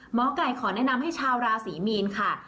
หมอไก่ขอแนะนำให้ชาวราศรีมีนค่ะ